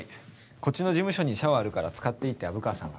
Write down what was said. こっちの事務所にシャワーあるから使っていいって虻川さんが。